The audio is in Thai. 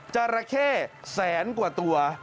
จราเข้แสนกว่าตัว